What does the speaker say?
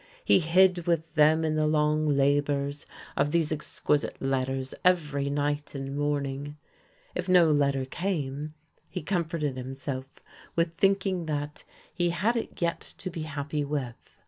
He hid with them in the long labours of these exquisite letters every night and morning. If no letter came, he comforted himself with thinking that "he had it yet to be happy with."